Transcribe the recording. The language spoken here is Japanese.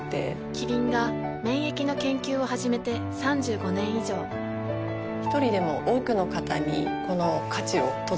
キリンが免疫の研究を始めて３５年以上一人でも多くの方にこの価値を届けていきたいと思っています。